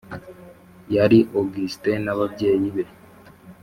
yari august n’ababyeyi be